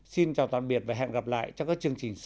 xin chào tạm biệt và hẹn gặp lại trong các chương trình sau